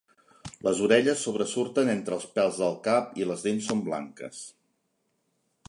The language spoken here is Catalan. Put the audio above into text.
Les orelles sobresurten entre els pèls del cap i les dents són blanques.